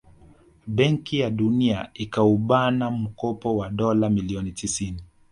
Benki ya Dunia ikaubana mkopo wa dola milioni tisini